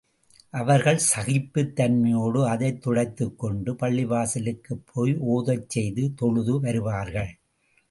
அவர்கள் சகிப்புத் தன்மையோடு அதைத் துடைத்துக் கொண்டு பள்ளிவாசலுக்குப் போய் ஒதுச் செய்து தொழுது வருவார்கள்.